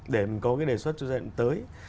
để mình có cái đề xuất cho dạy đến tới